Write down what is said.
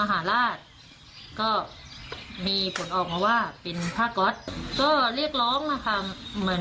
หมอบอกว่าหมอช่วยเองได้แค่นี้